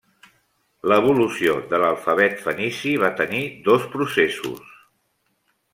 L'evolució de l'alfabet fenici va tenir dos processos.